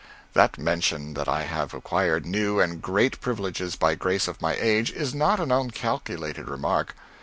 That mention that I have acquired new and great privileges by grace of my age, is not an uncalculated remark.